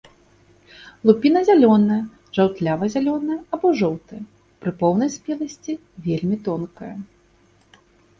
Лупіна зялёная, жаўтлява-зялёная або жоўтая, пры поўнай спеласці вельмі тонкая.